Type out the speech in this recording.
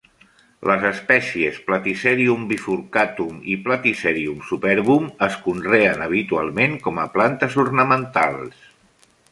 Les espècies "Platycerium bifurcatum" i "Platycerium superbum" es conreen habitualment com a plantes ornamentals.